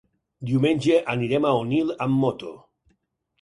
Diumenge anirem a Onil amb moto.